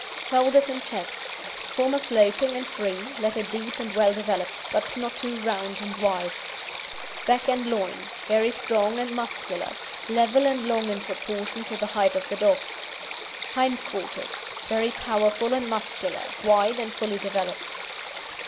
SHOULDERS AND CHEST Former sloping and free, latter deep and well developed, but not too round and wide. BACK AND LOIN Very strong and muscular; level and long in proportion to the height of the dog. HIND QUARTERS Very powerful and muscular, wide, and fully developed.